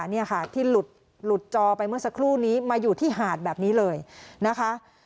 นี่ค่ะที่หลุดจอไปเมื่อสักครู่นี้มาอยู่ที่หาดแบบนี้เลยนะคะ